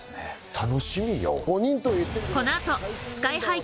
楽しみよ。